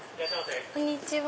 こんにちは。